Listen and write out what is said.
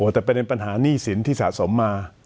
แต่ประเด็นปัญหาหนี้สินที่สะสมมา